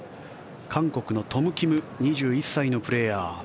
韓国のトム・キム２１歳のプレーヤー。